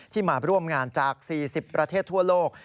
มาร่วมงานจาก๔๐ประเทศทั่วโลก